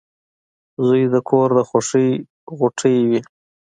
• زوی د کور د خوښۍ غوټۍ وي.